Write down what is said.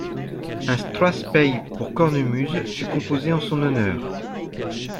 Un strathspey pour cornemuse fut composé en son honneur.